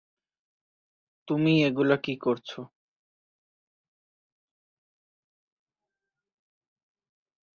তুমি এগুলা কি করছো?